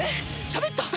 しゃべった？